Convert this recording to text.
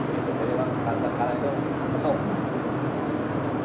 jadi sekarang itu penuh